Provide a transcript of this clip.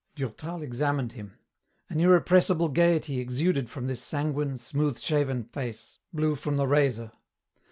Durtal examined him. An irrepressible gaiety exuded from this sanguine, smooth shaven face, blue from the razor.